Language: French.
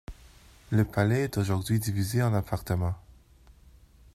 Le palais est aujourd'hui divisé en appartements.